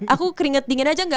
aku keringet dingin aja enggak